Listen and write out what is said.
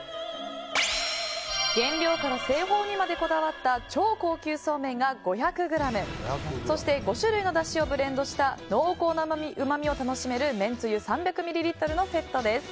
原料から製法にまでこだわった超高級そうめんが５００ｇそして５種類のだしをブレンドした濃厚なうまみを楽しめるめんつゆ３００ミリリットルのセットです。